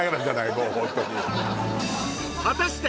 もうホントに果たして